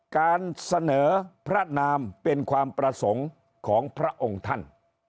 การเสนอพระนามเป็นความประสงค์ของพระองค์ท่าน